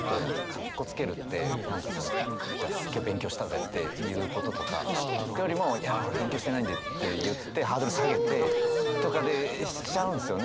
カッコつけるって何かそのじゃあすっげえ勉強したぜっていうこととかというよりもいや俺勉強してないんでって言ってハードル下げてとかでしちゃうんですよね